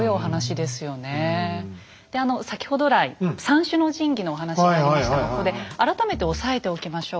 であの先ほど来三種の神器のお話ありましたがここで改めて押さえておきましょう。